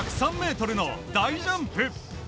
１０３ｍの大ジャンプ。